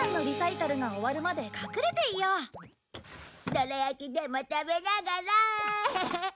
どら焼きでも食べながらヘヘ。